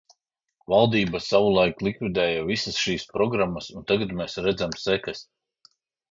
Valdība savulaik likvidēja visas šīs programmas, un tagad mēs redzam sekas.